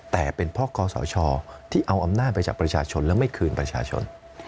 แต่เป็นเพราะคอสชที่เอาอำนาจไปจากประชาชนแล้วไม่คืนประชาชน